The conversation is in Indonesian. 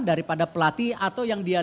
daripada pelatih atau yang dia